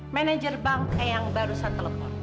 manager bank eyang barusan telepon